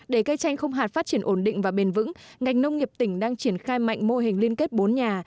để cây chanh không hạt phát triển ổn định và bền vững ngành nông nghiệp tỉnh đang triển khai mạnh mô hình liên kết bốn nhà